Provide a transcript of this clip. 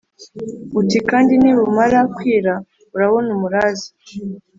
uti: kandi nibumara kwira urabona umuraza."